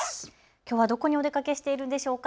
きょうはどこにお出かけしているんでしょうか。